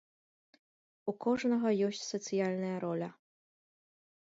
У кожнага ёсць сацыяльная роля.